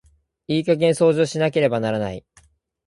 いい加減掃除をしなければならない。